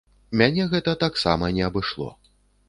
Мяне гэта таксама не абышло.